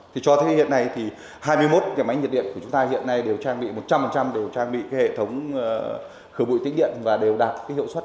thì cho thấy hiện nay thì hai mươi một nhà máy nhiệt điện của chúng ta hiện nay đều trang bị một trăm linh đều trang bị hệ thống khởi bụi tính điện và đều đạt hiệu suất chín mươi chín bảy